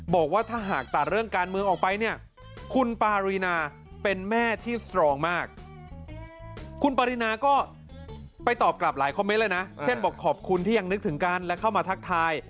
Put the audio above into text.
บอกว่าถ้าหากตัดเรื่องการเมืองออกไปเนี่ย